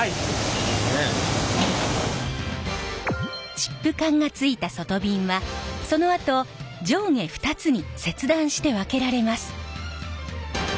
チップ管がついた外びんはそのあと上下２つに切断して分けられます。